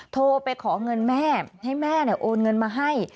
โทรไปขอเงินแม่ให้แม่โอนเงินมาให้